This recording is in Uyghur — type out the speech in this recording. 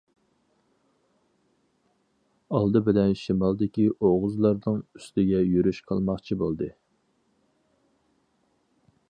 ئالدى بىلەن شىمالدىكى ئوغۇزلارنىڭ ئۈستىگە يۈرۈش قىلماقچى بولدى.